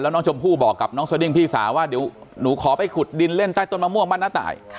น้องชมพู่บอกกับน้องสดิ้งพี่สาวว่าเดี๋ยวหนูขอไปขุดดินเล่นใต้ต้นมะม่วงบ้านน้าตาย